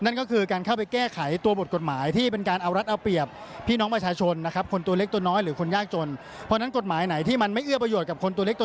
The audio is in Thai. นั่นก็คือการเข้าไปแก้ไขตัวบทกฎหมายที่เป็นการเอารัดเอาเปรียบพี่น้องประชาชนนะครับ